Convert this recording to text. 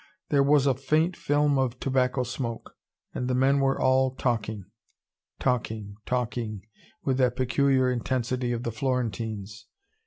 There was a faint film of tobacco smoke. And the men were all talking: talking, talking with that peculiar intensity of the Florentines.